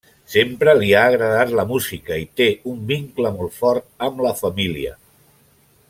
Sempre li ha agradat la música i té un vincle molt fort amb la família.